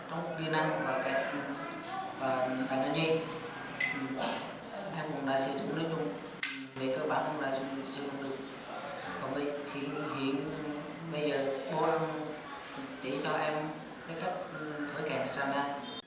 còn bây giờ bố em chỉ cho em cái cách thổi kẹt sàn đai